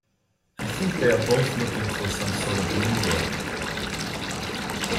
I think they're both looking for some sort of new work.